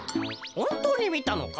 ほんとうにみたのか？